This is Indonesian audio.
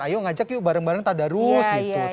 ayo ngajak yuk bareng bareng tadarus gitu